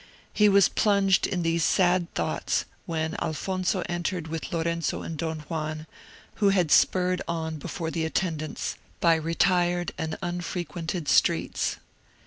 He was plunged in these sad thoughts when Alfonso entered with Lorenzo and Don Juan, who had spurred on before the attendants by retired and unfrequented streets.